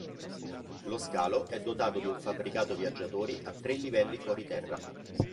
Lo scalo è dotato di un fabbricato viaggiatori a tre livelli fuori terra.